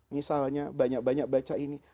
misalnya banyak banyak baca ini